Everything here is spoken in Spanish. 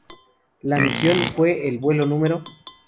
La misión fue el vuelo N°.